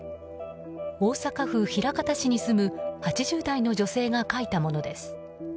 大阪府枚方市に住む８０代の女性が書いたものです。